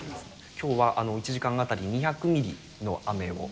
きょうは１時間当たり２００ミリの雨を。